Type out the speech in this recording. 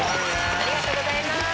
ありがとうございます。